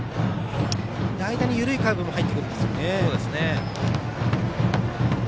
間に緩いカーブも入ってくるんですよね。